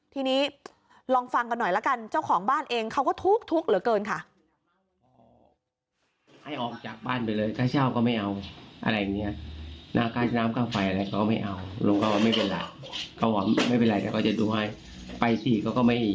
ทีนี้ลองฟังกันหน่อยละกันเจ้าของบ้านเองเขาก็ทุกข์เหลือเกินค่ะ